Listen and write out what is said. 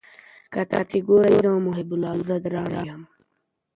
ما تېره اونۍ له خپل پلار څخه مننه وکړه.